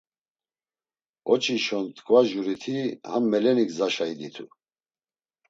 Oçişon t̆ǩva juriti ham meleni gzaşa iditu.